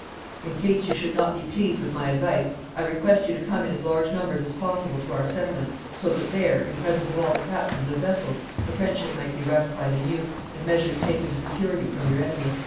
In case you should not be pleased with my advice, I request you to come in as large numbers as possible, to our settlement, so that there, in presence of all the captains of vessels, the friendship might be ratified anew, and measures taken to secure you from your enemies."